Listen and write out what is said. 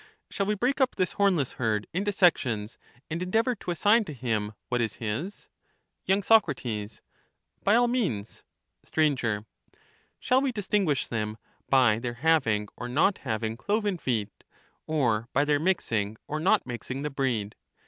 Shall we break up this hornless herd into sections, and endeavour to assign to him what is his ? Y. Soc. By all means. Sir. Shall we distinguish them by their having or not having cloven feet, or by their mixing or not mixing the breed